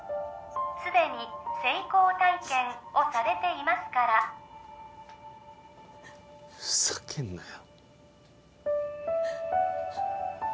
すでに成功体験をされていますからふざけんなよ